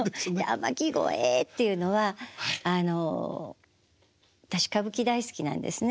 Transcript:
「天城越え」っていうのはあの私歌舞伎大好きなんですね。